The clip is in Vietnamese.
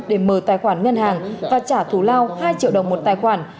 để mở tài khoản ngân hàng và trả thù lao hai triệu đồng một tài khoản